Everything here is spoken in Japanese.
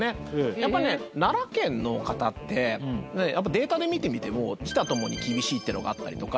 やっぱね奈良県の方ってデータで見てみても自他共に厳しいっていうのがあったりとか。